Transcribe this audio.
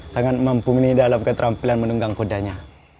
sangat mampu menidak alam keterampilan menunggang kudanya